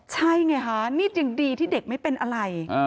ใช่ไงคะนี่ยังดีที่เด็กไม่เป็นอะไร